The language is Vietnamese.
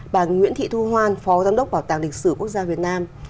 bà nguyễn thị thu hoan phó giám đốc bảo tàng lịch sử quốc gia việt nam